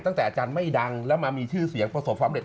อาจารย์ไม่ดังแล้วมามีชื่อเสียงประสบความเร็